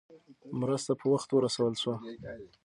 مرسته په وخت ورسول شوه.